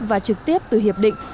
và trực tiếp từ hiệp định